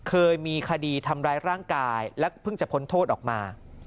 เคยมีคดีทำร้ายร่างกายและเพิ่งจะพ้นโทษออกมา